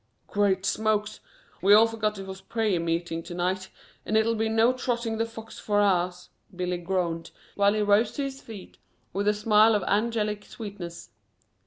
"Great Smokes! We all forgot it was prayer meeting to night, and it'll be no trotting the fox for ours," Billy groaned, while he rose to his feet with a smile of angelic sweetness.